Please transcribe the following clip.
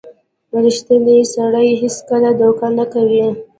• ریښتینی سړی هیڅکله دوکه نه کوي.